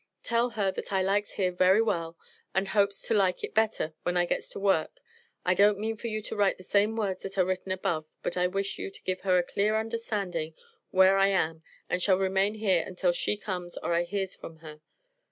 tell her that I likes here very well and hopes to like it better when I gets to work I don't meane for you to write the same words that are written above but I wish you give her a clear understanding where I am and Shall Remain here untel She comes or I hears from her.